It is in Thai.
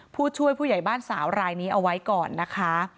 ผู้ช่วยผู้ใหญ่บ้านสาวรายนี้เอาไว้ก่อนนะคะ